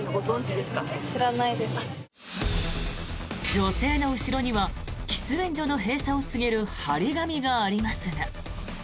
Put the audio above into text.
女性の後ろには喫煙所の閉鎖を告げる貼り紙がありますが。